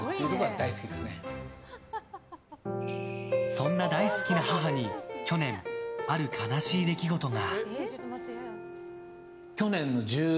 そんな大好きな母に去年、ある悲しい出来事が。